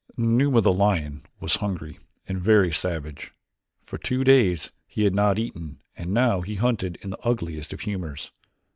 Numa, the lion, was hungry and very savage. For two days he had not eaten and now he hunted in the ugliest of humors.